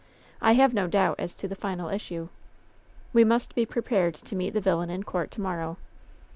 I have no doubt as to the final issue. We must be prepared to meet the villain in court to morrow.